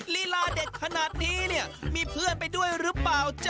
ลีลาเด็ดขนาดนี้เนี่ยมีเพื่อนไปด้วยหรือเปล่าจ๊ะ